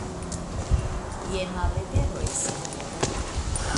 Jen la leteroj, sinjoro